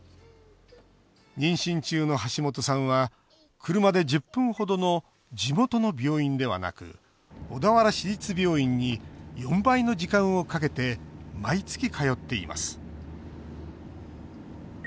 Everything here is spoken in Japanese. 妊娠中の橋本さんは車で１０分程の地元の病院ではなく小田原市立病院に４倍の時間をかけて毎月通っています